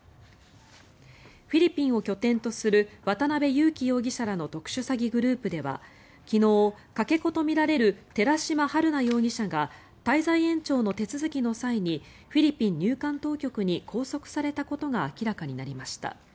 フィリピンを拠点とする渡邉優樹容疑者らの特殊詐欺グループでは昨日、かけ子とみられる寺島春奈容疑者が滞在延長の手続きの際にフィリピン入管当局に拘束されたことが明らかになりました。